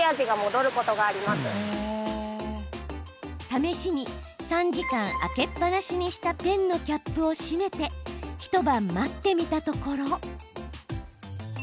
試しに３時間、開けっぱなしにしたペンのキャップを閉めて一晩、待ってみたところ。